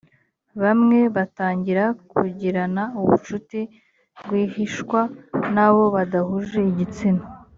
bamwe batangira kugirana ubucuti rwihishwa n’abo badahuje igitsina